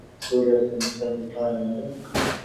آیا د سولې او پرمختګ لپاره نه ده؟